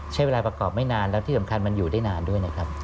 ใช้เวลาประกอบไม่นานแล้วที่สำคัญมันอยู่ได้นานด้วยนะครับ